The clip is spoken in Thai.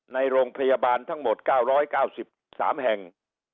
ในโรงพยาบาลทั้งหมด๙๙๓แห่ง